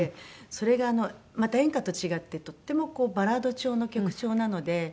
それがまた演歌と違ってとってもこうバラード調の曲調なので。